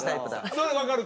それは分かる？